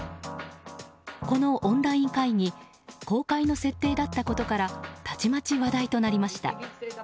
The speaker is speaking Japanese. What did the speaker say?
このオンライン会議公開の設定だったことからたちまち話題となりました。